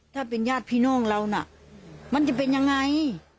ถ้าเป็นญาติพี่น้องเราน่ะมันจะเป็นยังไง